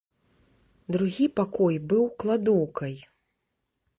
Другі пакой быў кладоўкай.